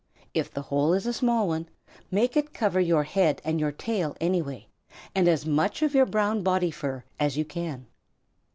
If the hole is a small one, make it cover your head and your tail anyway, and as much of your brown body fur as you can."